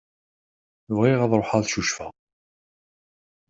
Bɣiɣ ad ṛuḥeɣ ad cucfeɣ.